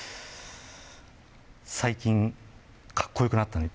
「最近かっこよくなったね」